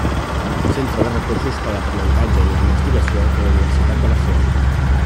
Centre de Recursos per a l'Aprenentatge i la Investigació de la Universitat de Barcelona.